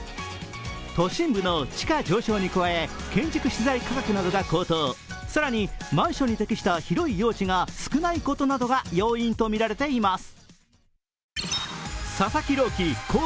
都心部の地価上昇に加え建築資材価格などが高騰更に、マンションに適した広い用地が少ないことなどが要因とみられています。